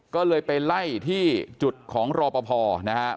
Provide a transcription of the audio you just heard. ก็เลยไปไล่ที่จุดของรอปภนะครับ